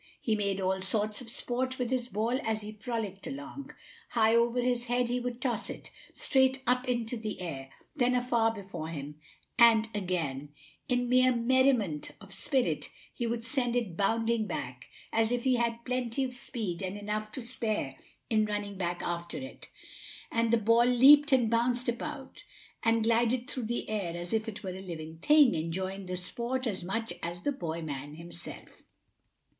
He made all sorts of sport with his ball as he frolicked along high over his head he would toss it; straight up into the air; then far before him; and again, in mere merriment of spirit, he would send it bounding back, as if he had plenty of speed and enough to spare in running back after it. And the ball leaped and bounced about and glided through the air as if it were a live thing, enjoying the sport as much as the boy man himself.